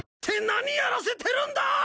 何やらせてるんだ！